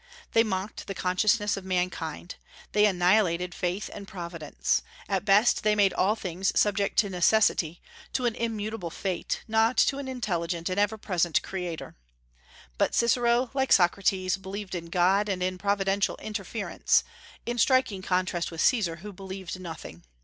They mocked the consciousness of mankind. They annihilated faith and Providence. At best, they made all things subject to necessity, to an immutable fate, not to an intelligent and ever present Creator. But Cicero, like Socrates, believed in God and in providential interference, in striking contrast with Caesar, who believed nothing.